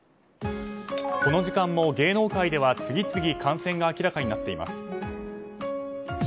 この時間も芸能界では次々感染が明らかになっています。